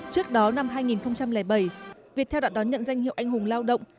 trước đó năm hai nghìn bảy việt heo đã đón nhận danh hiệu anh hùng lao động